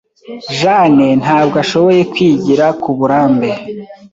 Jane ntabwo ashoboye kwigira kuburambe.